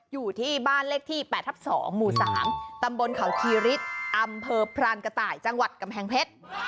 อยู่ที่บ้านเลขที่๘ทับ๒หมู่๓ตำบลเขาชีฤทธิ์อำเภอพรานกระต่ายจังหวัดกำแพงเพชร